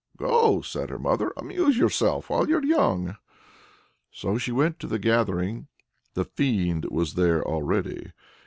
"Go," said her mother. "Amuse yourself while you're young!" So she went to the gathering; the Fiend was there already.